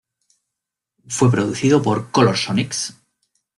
Fue producido por Color-Sonics.